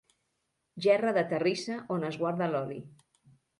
Gerra de terrissa on es guarda l'oli.